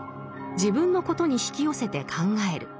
自分のことに引き寄せて考える。